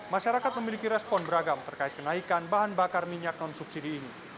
masyarakat memiliki respon beragam terkait kenaikan bahan bakar minyak non subsidi ini